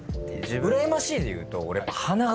うらやましいでいうと俺。